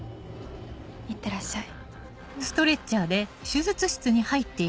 いってらっしゃい。